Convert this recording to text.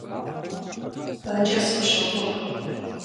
Бэкӏэ сыпщогугъ.